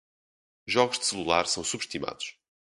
Jogos de celular são subestimados